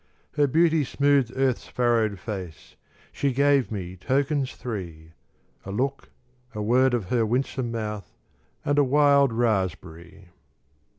Her beauty smoothed earth's furrowed face. She gave me tokens three: A look, a word of her winsome mouth, And a wild raspberry.